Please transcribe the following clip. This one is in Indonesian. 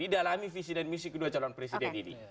didalami visi dan misi kedua calon presiden ini